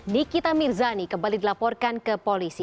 nikita mirzani kembali dilaporkan ke polisi